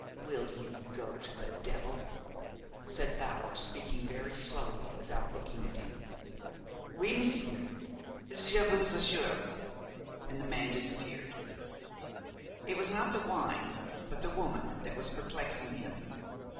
"Will you go to the devil?" said Bower, speaking very slowly without looking at him. "Oui, m'sieur, Je vous assure," and the man disappeared. It was not the wine, but the woman, that was perplexing him.